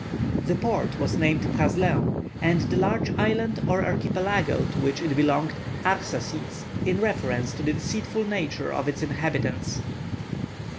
This port was named Praslin, and the large island or archipelago, to which it belonged, Arsacides, in reference to the deceitful nature of its inhabitants.